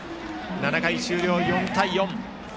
７回終了、４対４。